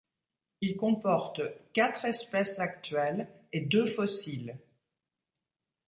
Il comporte quatre espèces actuelles et deux fossiles.